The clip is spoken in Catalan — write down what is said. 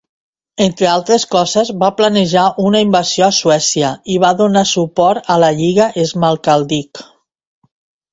Entre altres coses, va planejar una invasió a Suècia i va donar suport a la Lliga Schmalkaldic.